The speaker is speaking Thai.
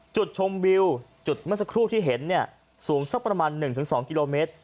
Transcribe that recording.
จุดชมวิวจุดเมื่อสักครู่ที่เห็นสูงสักประมาณ๑๒กิโลเมตร